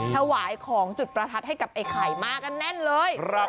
ถวายของจุดประทัดให้กับไอ้ไข่มากันแน่นเลย